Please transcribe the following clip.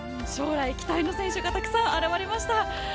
将来、期待の選手がたくさん現れました。